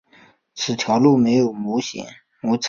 此条路线没有摸彩